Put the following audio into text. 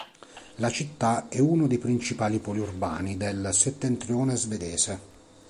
La città è uno dei principali poli urbani del settentrione svedese.